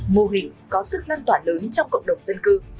mô hình có sức lan tỏa lớn trong cộng đồng dân cư